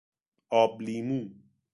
آب لیمو